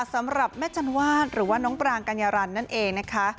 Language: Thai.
สำหรับแม่จันวาดหรือว่าน้องปรางกัญญารันนั่นเองนะคะ